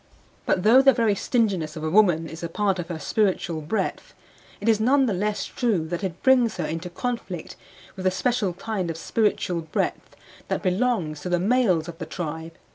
But though the very stinginess of a woman is a part of her spiritual breadth, it is none the less true that it brings her into conflict with the special kind of spiritual breadth that belongs to the males of the tribe.